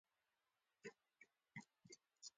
که ګاونډي ته د زړه صفا ورکړې، ته به برلاسی شې